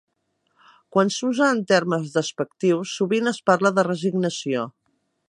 Quan s'usa en termes despectius sovint es parla de resignació.